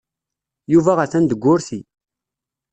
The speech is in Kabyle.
Yuba atan deg wurti.